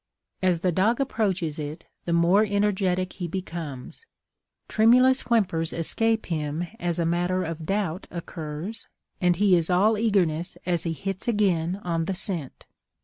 As the dog approaches it, the more energetic he becomes. Tremulous whimpers escape him as a matter of doubt occurs, and he is all eagerness as he hits again on the scent.